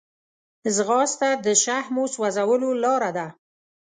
ځغاسته د شحمو سوځولو لاره ده